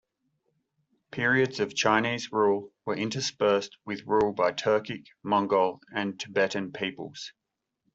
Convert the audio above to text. Periods of Chinese rule were interspersed with rule by Turkic, Mongol and Tibetan peoples.